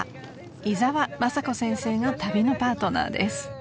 伊澤雅子先生が旅のパートナーです］